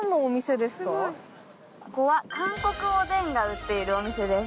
ここは韓国おでんを売っているお店です。